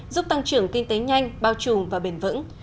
giúp tăng trưởng kinh tế nhanh bao trùm và bền vững